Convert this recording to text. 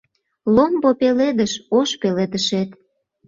Ломбо пеледыш, ош пеледышет -